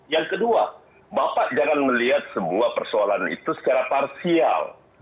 yang kedua bapak jangan melihat sebuah persoalan itu secara parsial